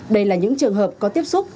đây là những trường hợp có tiếp xúc